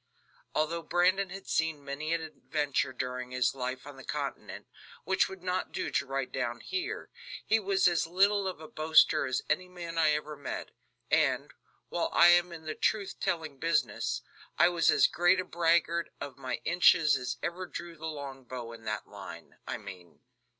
Although Brandon had seen many an adventure during his life on the continent, which would not do to write down here, he was as little of a boaster as any man I ever met, and, while I am in the truth telling business, I was as great a braggart of my inches as ever drew the long bow in that line, I mean.